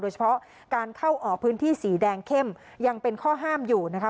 เฉพาะการเข้าออกพื้นที่สีแดงเข้มยังเป็นข้อห้ามอยู่นะคะ